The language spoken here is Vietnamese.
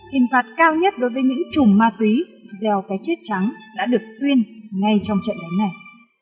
hiện phạt cao nhất đối với những trùng ma túy đèo cái chết trắng đã được tuyên ngay trong trận đánh này